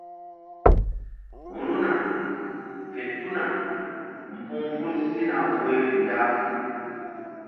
Ru̧hna fe tuna mbu̧h ful sina woyri ya.